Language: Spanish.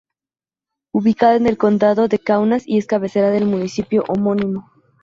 Ubicada en el Condado de Kaunas y es cabecera del municipio homónimo.